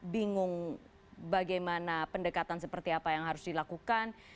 bingung bagaimana pendekatan seperti apa yang harus dilakukan